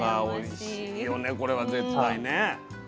おいしいよねこれは絶対ね。